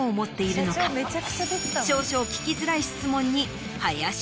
少々聞きづらい質問に。